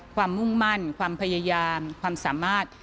มุ่งมั่นความพยายามความสามารถ